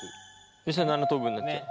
それ７等分になっちゃう。